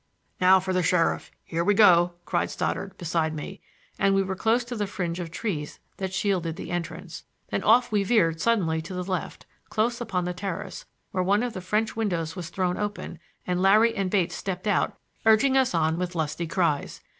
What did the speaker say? "Now for the sheriff—here we go!" cried Stoddard— beside me—and we were close to the fringe of trees that shielded the entrance. Then off we veered suddenly to the left, close upon the terrace, where one of the French windows was thrown open and Larry and Bates stepped out, urging us on with lusty cries.